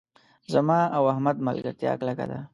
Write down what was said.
زما او احمد ملګرتیا کلکه ده.